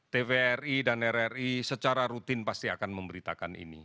tvri dan rri secara rutin pasti akan memberitakan ini